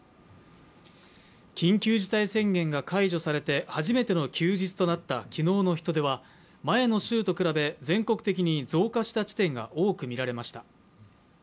緊急事態宣言が解除されて始めての休日となった昨日の人出は前の週と比べ、全国的に増加した地点が多くみられました。